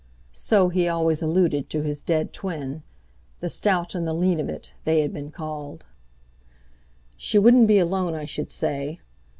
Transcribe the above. (So he always alluded to his dead twin—"The Stout and the Lean of it," they had been called.) "She wouldn't be alone, I should say."